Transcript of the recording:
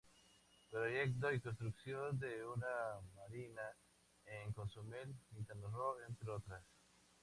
Proyecto y Construcción de una Marina en Cozumel, Quintana Roo, entre otras.